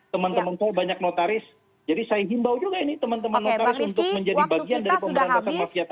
teman teman saya banyak notaris jadi saya himbau juga ini teman teman notaris untuk menjadi bagian dari pemberantasan mafia tadi